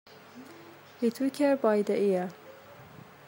He took her by the ear!